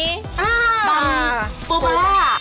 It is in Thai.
ตำปูปะล่า